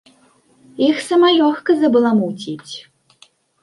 Іх сама лёгка забаламуціць!